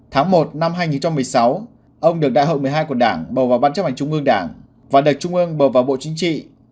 tháng một năm hai nghìn một mươi sáu ông được đại hội một mươi hai của đảng bầu vào ban chấp hành trung ương đảng và được trung ương bầu vào bộ chính trị